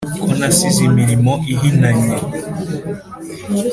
ko nasize imirimo ihinanye